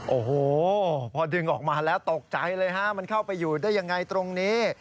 โอ้โหพอดึงออกมาแล้วตกใจเลยฮะมันเข้าไปอยู่ได้ยังไงตรงนี้